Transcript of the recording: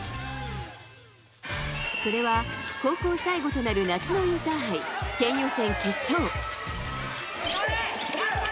それは高校最後となる夏のインターハイ、県予選決勝。